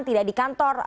tidak di kantor